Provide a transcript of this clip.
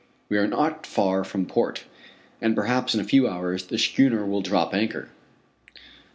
We are not far from port, and perhaps in a few hours, the schooner will drop anchor.